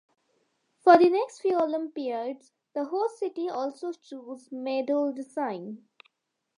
For the next few Olympiads the host city also chose the medal design.